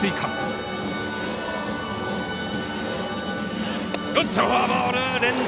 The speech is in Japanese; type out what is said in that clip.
フォアボール、連続！